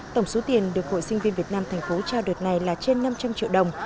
tổng số tiền được hội sinh viên việt nam thành phố trao đợt này là trên năm trăm linh triệu đồng